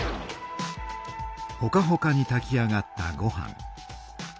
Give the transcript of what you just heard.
ほかほかにたき上がったごはん。